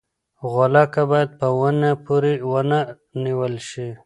غولکه باید په ونې پورې ونه نیول شي.